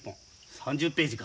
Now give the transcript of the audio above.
３０ページか。